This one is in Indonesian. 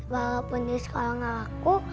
walaupun di sekolah gak laku